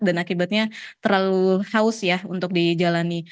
dan akibatnya terlalu haus ya untuk dijalani